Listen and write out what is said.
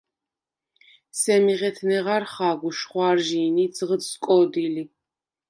სემი ღეთ ნეღარ ხა̄გ უშხვა̄რჟი̄ნი ი ძღჷდ სკო̄დი ლი.